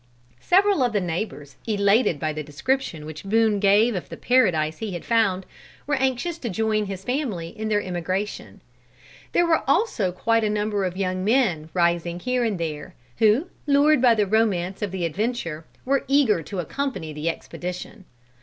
Several of the neighbors, elated by the description which Boone gave of the paradise he had found, were anxious to join his family in their emigration. There were also quite a number of young men rising here and there, who, lured by the romance of the adventure, were eager to accompany the expedition.